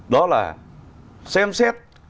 đó là xem xét có đưa về cái điều